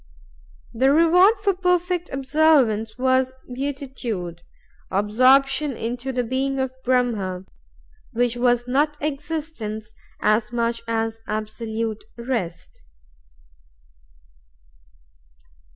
The reward for perfect observance was Beatitude, or absorption into the being of Brahm, which was not existence as much as absolute rest."